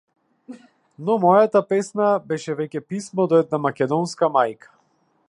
Но мојата песна беше веќе писмо до една македонска мајка.